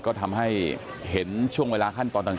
ก็ทำให้เห็นช่วงเวลาขั้นตอนต่าง